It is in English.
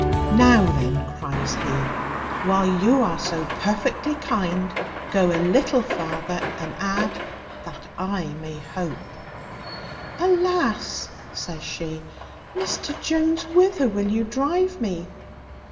"Now then," cries he, "while you are so perfectly kind, go a little farther, and add that I may hope." "Alas!" says she, "Mr Jones, whither will you drive me?